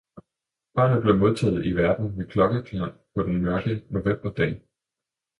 barnet blev modtaget i verden med klokkeklang på den mørke novemberdag.